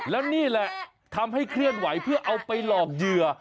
แล้วนี่แหละทำให้เคลื่อนไหวเพื่อเอาไปหลอกเหยื่อ